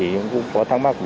thì cũng có thắc mắc